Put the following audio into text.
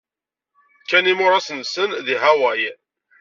Kkan imuras-nsen deg Hawaii.